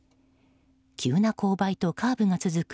急な勾配とカーブが続く